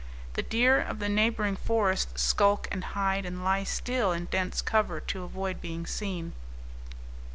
The deer of the neighboring forest skulk and hide and lie still in dense cover to avoid being seen.